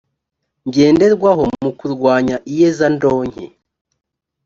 ngenderwaho mu kurwanya iyezandonke